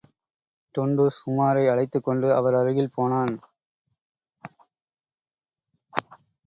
டுன்டுஷ் உமாரை அழைத்துக் கொண்டு அவர் அருகில் போனான்.